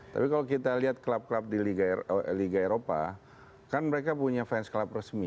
tapi kalau kita lihat klub klub di liga eropa kan mereka punya fans klub resmi